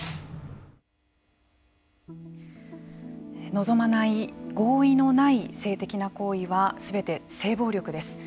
望まない、合意のない性的な行為はすべて性暴力です。